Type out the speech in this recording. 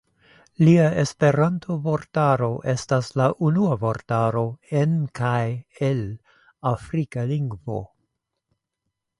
Lia Esperanto-vortaro estas la unua vortaro en kaj el afrika lingvo.